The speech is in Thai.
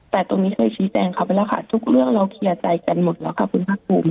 แต่ตรงนี้เคยชี้แจงเขาไปแล้วค่ะทุกเรื่องเราเคลียร์ใจกันหมดแล้วค่ะคุณภาคภูมิ